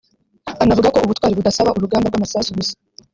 anavuga ko ubutwari budasaba urugamba rw’amasasu gusa